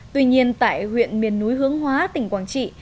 tuy nhiên tại huyện miền núi hướng hóa tỉnh quảng trị